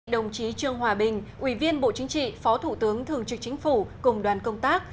đồng chí trương hòa bình ủy viên bộ chính trị phó thủ tướng thường trực chính phủ cùng đoàn công tác